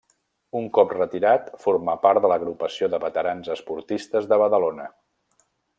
Un cop retirat formà part de l'Agrupació de Veterans Esportistes de Badalona.